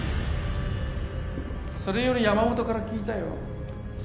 それより山本から聞いたよ